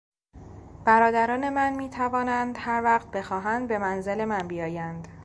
برادران من میتوانند هر وقت بخواهند به منزل من بیایند.